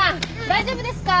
大丈夫ですか？